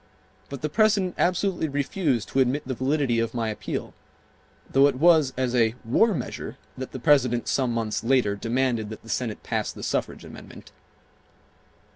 But the President absolutely refused to admit the validity of my appeal, though it was as a "war measure" that the President some months later demanded that the Senate pass the suffrage amendment.